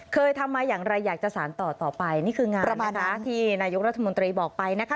เคยทำมาอย่างไรอยากจะสารต่อต่อไปนี่คืองานประมาณนะที่นายกรัฐมนตรีบอกไปนะคะ